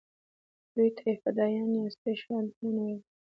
دوی ته یې فدایان یا استشهادیان ویل.